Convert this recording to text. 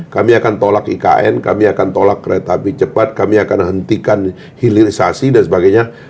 kami akan tolak ikn kami akan tolak kereta api cepat kami akan hentikan hilirisasi dan sebagainya